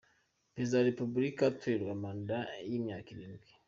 “Perezida wa Repubulika atorerwa manda y’imyaka irindwi.